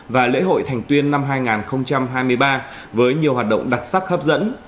và lễ hội thành tuyên năm hai nghìn hai mươi ba với nhiều hoạt động đặc sắc hấp dẫn